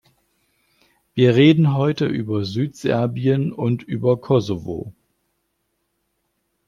Wir reden heute über Südserbien und über Kosovo.